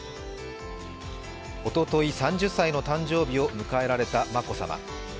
おととい、３０歳の誕生日を迎えられた眞子さま。